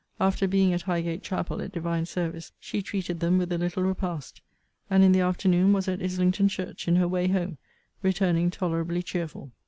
After being at Highgate chapel at divine service, she treated them with a little repast; and in the afternoon was at Islington church, in her way home; returning tolerably cheerful.